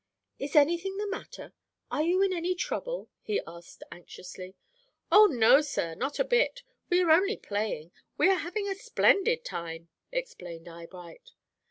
"Is any thing the matter? Are you in any trouble?" he asked, anxiously. "Oh no, sir; not a bit. We are only playing; we are having a splendid time," explained Eyebright.